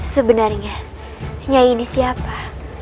sebenarnya nyai ini siapa